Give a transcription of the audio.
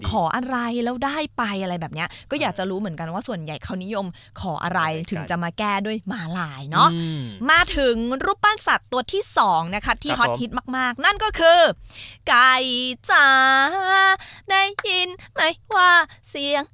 เข้าไปที่อื่นเค้าจะม้าลายตลอดเลย